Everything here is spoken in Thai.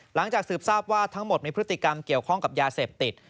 หลังจากสืบทราบว่าทั้งหมดมีพฤติกรรมเกี่ยวข้องกับยาเสพติด